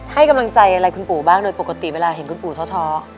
ให้กำลังใจอะไรคุณปู่บ้างโดยปกติเวลาเห็นคุณปู่ท้อ